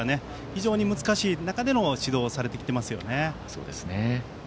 非常に難しい中での指導をされてきていますよね。